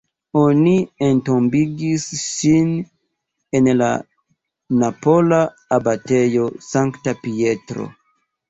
Oni entombigis ŝin en la napola abatejo Sankta Pietro.